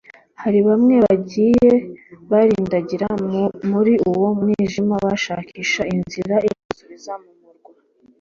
hari bamwe bagiye barindagira muri uwo mwijima, bashakisha inzira ibasubiza mu murwa